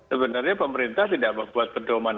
sebenarnya pemerintah tidak membuat pedoman